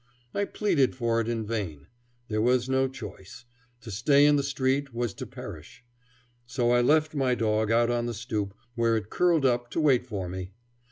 I pleaded for it in vain. There was no choice. To stay in the street was to perish. So I left my dog out on the stoop, where it curled up to wait for me.